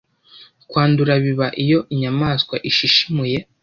Kwandura biba iyo inyamaswa ishishimuye